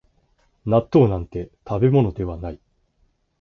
納豆なんて食べ物ではない